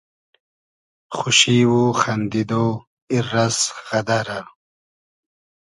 خوشی و خئندیدۉ , ایررئس غئدئرۂ